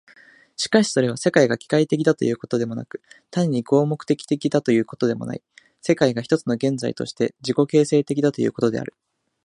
しかしそれは、世界が機械的だということでもなく、単に合目的的だということでもない、世界が一つの現在として自己形成的だということである。